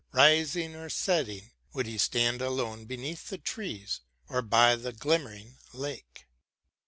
Rising or setting, would he stand alone Beneath the trees, or by the glimmering lake.